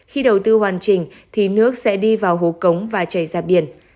khi đầu tư hoàn chỉnh thì nước sẽ đi vào hố cống và chảy ra biển